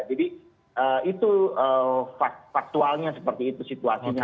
jadi itu faktualnya seperti itu situasinya